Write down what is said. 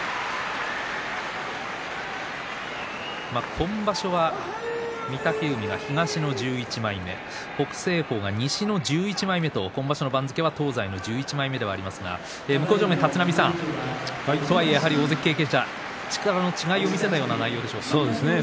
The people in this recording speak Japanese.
今場所は御嶽海が東の１１枚目北青鵬が西の１１枚目と今場所の番付は東西の１１枚目ではありますが向正面の立浪さん大関経験者力の違いを見せた内容でしたね。